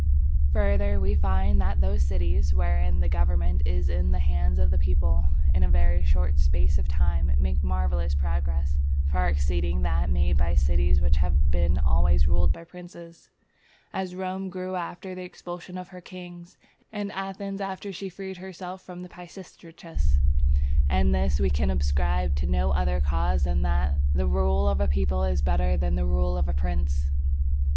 Further, we find that those cities wherein the government is in the hands of the people, in a very short space of time, make marvellous progress, far exceeding that made by cities which have been always ruled by princes; as Rome grew after the expulsion of her kings, and Athens after she freed herself from Pisistratus; and this we can ascribe to no other cause than that the rule of a people is better than the rule of a prince.